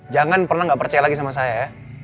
jangan pernah gak percaya lagi sama saya